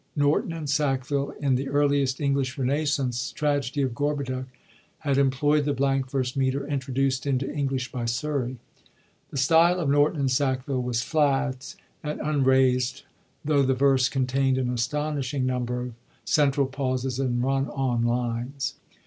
Norton and Sackville, in the earliest English Renascence tragedy of Gorhoduc^ had employd the blank verse metre introduced into English by Surrey. The style of Norton and Hackville was flat and unraisd, tho' the verse containd an astonishing number of central pauses and run on lines.